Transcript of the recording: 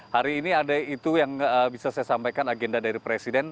hari ini ada itu yang bisa saya sampaikan agenda dari presiden